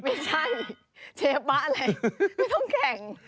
ไม่ใช่เชฟบะอะไรไม่ต้องแข่ง